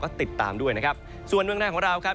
ก็ติดตามด้วยนะครับส่วนเมืองหน้าของเราครับ